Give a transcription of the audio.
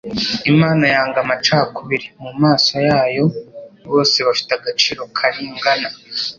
Imana yanga amacakubiri. Mu maso yayo bose bafite agaciro karigana.